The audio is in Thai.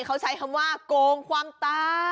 เขาใช้คำว่าโกงความตาย